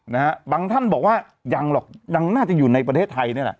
นะฮะบางท่านบอกว่ายังหรอกยังน่าจะอยู่ในประเทศไทยนี่แหละ